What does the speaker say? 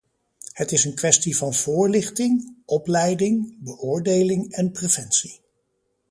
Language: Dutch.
Het is een kwestie van voorlichting, opleiding, beoordeling en preventie.